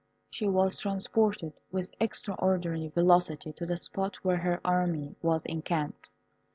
She was transported with extraordinary velocity to the spot where her army was encamped.